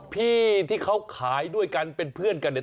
พี่ที่เขาขายด้วยกันเป็นเพื่อนกันเนี่ย